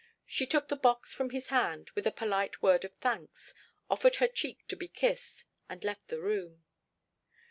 She took the box from his hand with a polite word of thanks, offered her cheek to be kissed, and left the room.